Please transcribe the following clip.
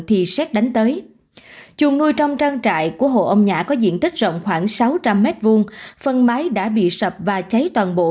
thì xét đánh tới chuồng nuôi trong trang trại của hộ ông nhã có diện tích rộng khoảng sáu trăm linh m hai phần mái đã bị sập và cháy toàn bộ